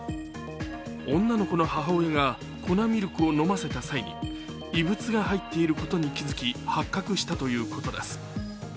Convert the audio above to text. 女の子の母親が粉ミルクを飲ませた際に異物が入っていることに気づき発覚したということです。